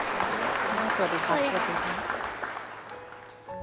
สวัสดีครับสวัสดีครับ